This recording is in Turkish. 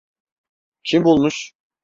Kim bulmuş?